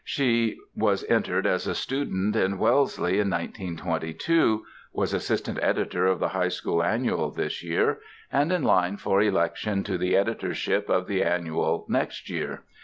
She was entered as a student in Wellesley in 1922; was assistant editor of the High School Annual this year, and in line for election to the editorship of the Annual next year.